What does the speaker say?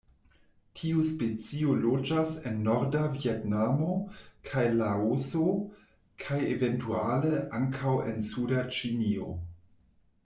Tiu specio loĝas en norda Vjetnamo kaj Laoso, kaj eventuale ankaŭ en suda Ĉinio.